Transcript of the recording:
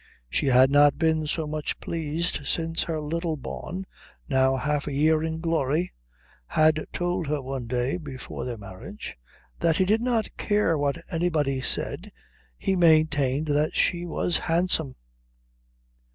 She had not been so much pleased since her dear Bawn, now half a year in glory, had told her one day, before their marriage, that he did not care what anybody said he maintained that she was handsome.